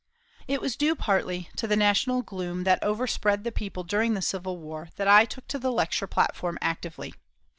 It was due partly to the national gloom that overspread the people during the Civil War that I took to the lecture platform actively.